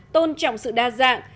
tôn trọng sự đa dạng